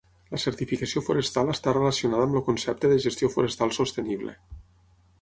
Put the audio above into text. La certificació forestal està relacionada amb el concepte de gestió forestal sostenible.